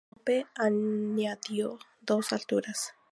Lope añadió dos alturas.